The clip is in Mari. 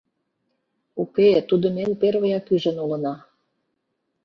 — Уке, тудым эн первыяк ӱжын улына.